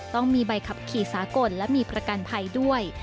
ต้องมีใบขับขี่สากลและมีประกันภัยด้วย